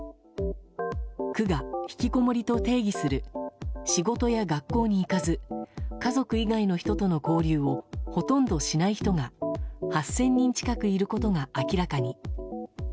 区がひきこもりと定義する仕事や学校に行かず家族以外の人との交流をほとんどしない人が８０００人近くいることが明らかに。